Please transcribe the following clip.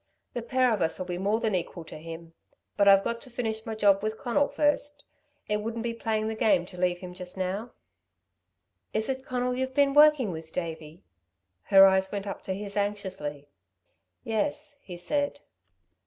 The pair of us'll be more than equal to him. But I've got to finish my job with Conal first ... it wouldn't be playing the game to leave him just now." "Is it Conal you've been working with, Davey?" her eyes went up to his anxiously. "Yes," he said.